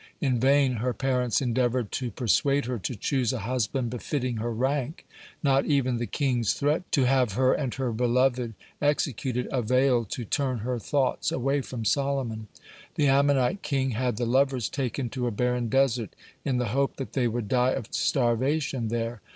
In vain her parents endeavored to persuade her to choose a husband befitting her rank. Not even the king's threat to have her and her beloved executed availed to turn her thoughts away from Solomon. The Ammonite king had the lovers taken to a barren desert, in the hope that they would die of starvation there.